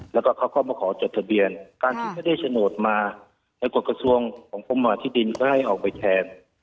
แล้วก็เขาก็มาขอจดทะเบียนการที่ไม่ได้โฉนดมาในกฎกระทรวงของกรมมาที่ดินก็ให้ออกไปแทน